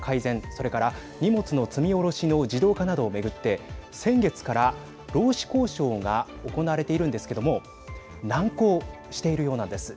それから荷物の積み降ろしの自動化などを巡って先月から労使交渉が行われているんですけども難航しているようなんです。